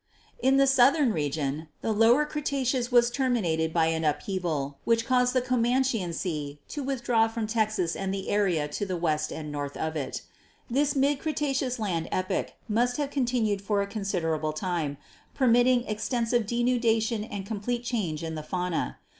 "In the southern region the Lower Cretaceous was ter minated by an upheaval, which caused the Comanchean Sea to withdraw from Texas and the area to the west and north of it. This mid Cretaceous land epoch must have continued for a considerable time, permitting extensive denudation and a complete change in the fauna.